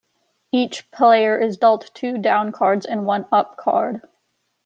Each player is dealt two downcards and one upcard.